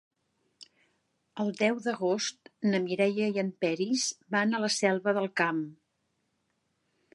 El deu d'agost na Mireia i en Peris van a la Selva del Camp.